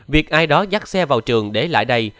việc ai đó dắt xe vào trường để lại đây